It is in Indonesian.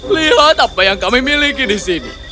lihat apa yang kami miliki di sini